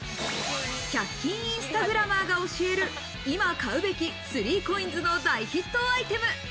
１００均インスタグラマーが教える、今買うべき３ＣＯＩＮＳの大ヒットアイテム。